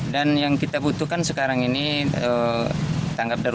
dan yang kita butuhkan sekarang ini tanggap darurat